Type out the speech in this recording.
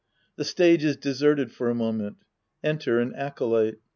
The stage is deserted for a moment. Enter an Acolyte.